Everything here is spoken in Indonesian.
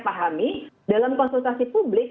pahami dalam konsultasi publik